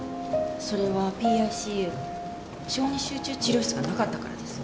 それはＰＩＣＵ小児集中治療室がなかったからです。